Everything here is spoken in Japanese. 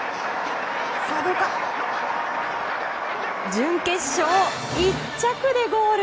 準決勝、１着でゴール！